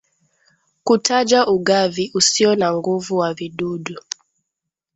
kutaja ugavi usio na nguvu wa vidudu